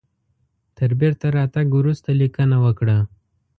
تر بیرته راتګ وروسته لیکنه وکړه.